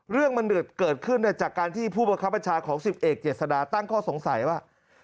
เรื่องมันเกิดขึ้นจากการที่ผู้บังคับบัญชาของ๑๐เอกเจษดาตั้งข้อสงสัยว่า